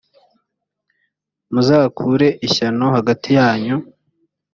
muzakure ishyano hagati yanyu!